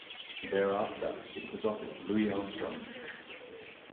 Thereafter, it was offered to Louis Armstrong.